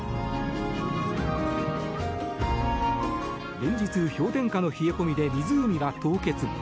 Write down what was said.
連日、氷点下の冷え込みで湖は凍結。